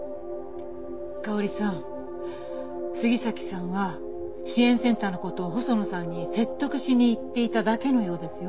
香織さん杉崎さんは支援センターの事を細野さんに説得しに行っていただけのようですよ。